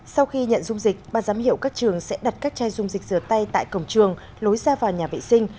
sau khi nhận dung dịch ban giám hiệu các trường sẽ đặt các chai dung dịch rửa tay tại cổng trường lối ra vào nhà vệ sinh